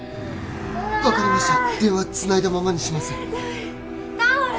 分かりました電話つないだままにしますタオル！